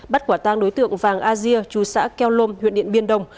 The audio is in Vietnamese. bắt quả tăng đối tượng vàng asia chú xã keo lom huyện điện biên đông